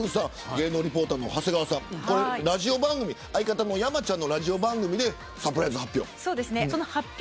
芸能リポーターの長谷川さん相方の山ちゃんのラジオ番組でサプライズ発表。